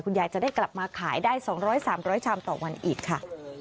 ยายจะได้กลับมาขายได้๒๐๐๓๐๐ชามต่อวันอีกค่ะ